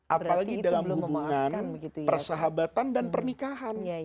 apalagi dalam hubungan persahabatan dan pernikahan